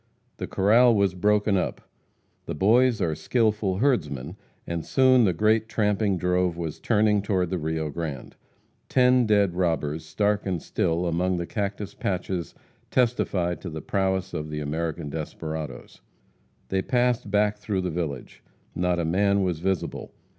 The corral was broken up. The Boys are skillful herdsmen, and soon the great tramping drove was turned toward the Rio Grande. Ten dead robbers, stark and still, among the cactus patches, testified to the prowess of the American desperadoes. They passed back through the village. Not a man was visible.